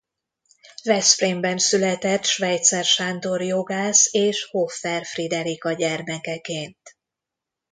Veszprémben született Schweitzer Sándor jogász és Hoffer Friderika gyermekeként.